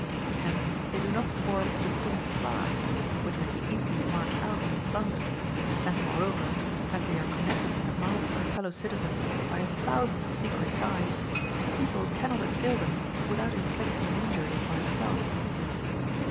Hence they do not form a distinct class, which may be easily marked out and plundered; and, moreover, as they are connected with the mass of their fellow citizens by a thousand secret ties, the people cannot assail them without inflicting an injury upon itself.